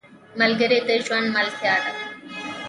ملګری د ژوند ملتیا ده